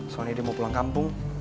soalnya dia mau pulang kampung